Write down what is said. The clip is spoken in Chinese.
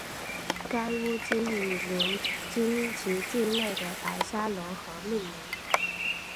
该巫金以流经其境内的白沙罗河命名。